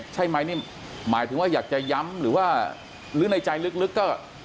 ใช่ไหมนี่หมายถึงว่าอยากจะย้ำหรือว่าหรือในใจลึกก็